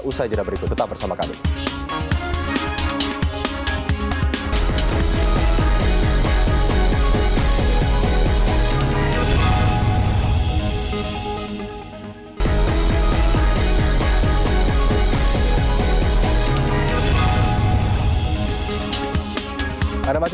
usaha jadwal ibu tetap bersama kami